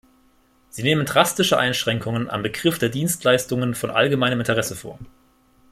Sie nehmen drastische Einschränkungen am Begriff der Dienstleistungen von allgemeinem Interesse vor.